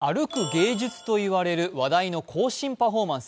歩く芸術と言われる話題の行進パフォーマンス。